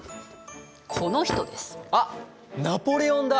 あっナポレオンだ！